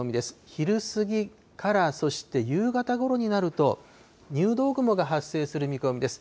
昼過ぎから、そして夕方ごろになると、入道雲が発生する見込みです。